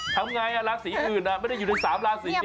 ทำอย่างไรลาศรีอื่นไม่ได้อยู่ในสามลาศรีนี้